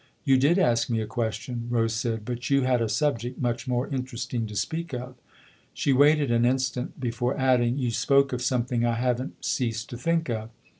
You did ask me a question," Rose said ;" but you had a subject much more interesting to speak of." She waited an instant before adding :" You spoke of something I haven't ceased to think of."